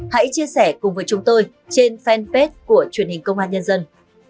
hãy chia sẻ cùng với chúng tôi trên fanpage của truyền hình công an nhân dân